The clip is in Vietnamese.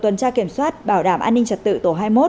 tuần tra kiểm soát bảo đảm an ninh trật tự tổ hai mươi một